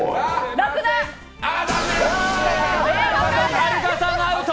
はるかさんアウト！